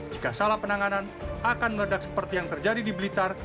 jika salah penanganan akan meledak seperti yang terjadi di blitar